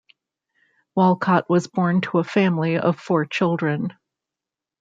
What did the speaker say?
Walcott was born to a family of four children.